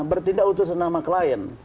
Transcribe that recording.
bertindak untuk senama klien